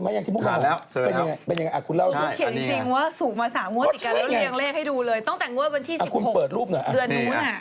ถ้าไปคิดถึงเขารับหลังเบะป่ะ